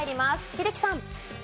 英樹さん。